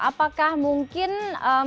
apakah mungkin link linknya